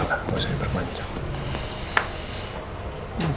nggak usah yang bermain main